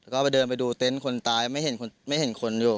ก็เดินไปดูเต็นต์คนตายไม่เห็นคนอยู่